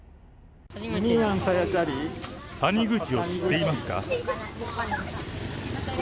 谷口を知っていますか？